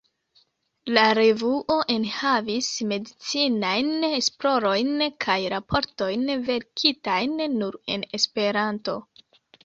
La revuo enhavis medicinajn esplorojn kaj raportojn verkitajn nur en Esperanto.